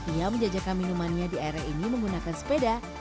ia menjajakan minumannya di area ini menggunakan sepeda